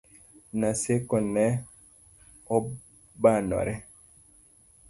Naseko ne obanore